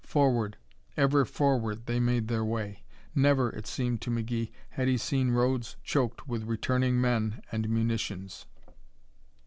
Forward, ever forward they made their way. Never, it seemed to McGee, had he seen roads choked with returning men and munitions.